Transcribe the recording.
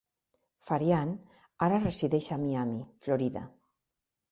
Farian ara resideix a Miami (Florida).